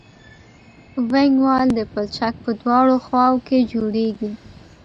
وینګ وال د پلچک په دواړو خواو کې جوړیږي